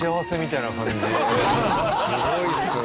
すごいですね。